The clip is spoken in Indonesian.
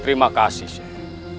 terima kasih syekh